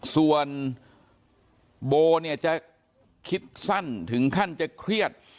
ส่วนโบเนี่ยจะคิดสั้นถึงขั้นจะเครียด